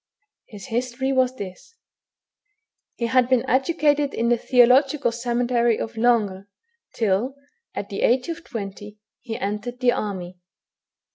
His history was this. He had been educated in the theological seminaiy of Langres, till, at the age of twenty, he entered the army.